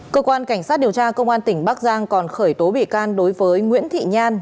cơ quan cảnh sát điều tra công an tỉnh bắc giang còn khởi tố bị can đối với nguyễn thị nhan